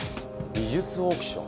美術オークション？